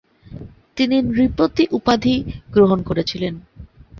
তিনি "নৃপতি" উপাধি গ্রহণ করেছিলেন।